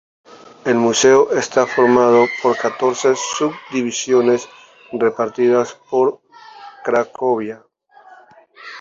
El museo está formado por catorce subdivisiones repartidas por Cracovia.